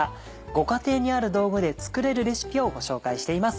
ご家庭にある道具で作れるレシピをご紹介しています。